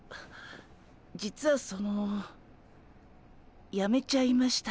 実はそのやめちゃいました。